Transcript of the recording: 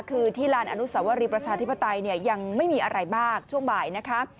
คือที่ลานอนุสวรีประชาธิปไตยเนี่ยยังไม่มีอะไรมากช่วงบ่ายนะคะ